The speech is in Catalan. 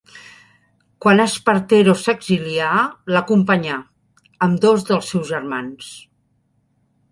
Quan Espartero s’exilià l’acompanyà, amb dos dels seus germans.